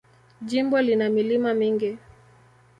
Jimbo lina milima mingi.